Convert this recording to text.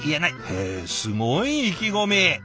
へえすごい意気込み。